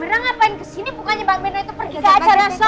kameranya ngapain kesini bukannya mbak beno itu pergi ke acara son